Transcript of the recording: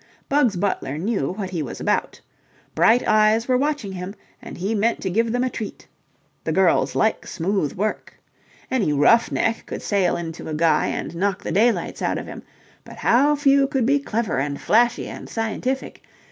Bugs Butler knew what he was about. Bright eyes were watching him, and he meant to give them a treat. The girls like smooth work. Any roughneck could sail into a guy and knock the daylights out of him, but how few could be clever and flashy and scientific?